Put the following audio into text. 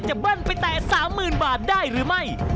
เบิ้ลไปแต่๓๐๐๐บาทได้หรือไม่